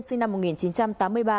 sinh năm một nghìn chín trăm tám mươi ba